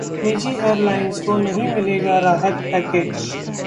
निजी एयरलाइंस को नहीं मिलेगा राहत पैकेज